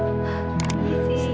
ya ambil lampu aja